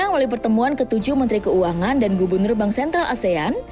melalui pertemuan ketujuh menteri keuangan dan gubernur bank sentral asean